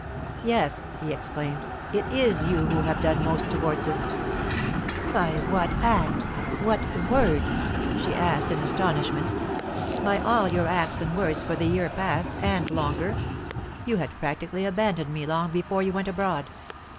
"Yes," he exclaimed, "it is you who have done most towards it!" "By what act? what word?" she asked, in astonishment. "By all your acts and words for the year past, and longer. You had practically abandoned me long before you went abroad.